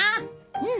うん！